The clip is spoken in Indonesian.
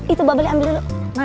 itu bubblenya ambil dulu